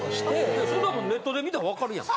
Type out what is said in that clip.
いやそんなもんネットで見たらわかるやん！